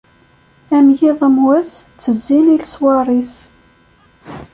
Am yiḍ am wass, ttezzin i leṣwar-is.